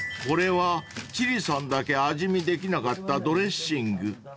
［これは千里さんだけ味見できなかったドレッシング］